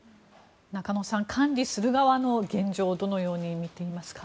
中野さん管理する側の現状をどのように見ていますか。